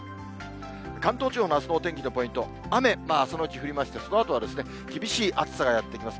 関東地方のあすのお天気のポイント、雨、朝のうち降りまして、そのあとは厳しい暑さがやって来ます。